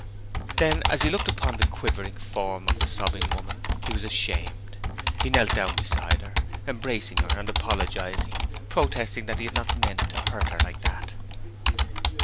Then as he looked down upon the quivering form of the sobbing woman, he was ashamed. He knelt down by her, embracing her and apologizing, protesting that he had not meant to hurt her like that.